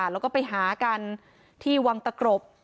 ลุงไปหากันที่วังตะกรบ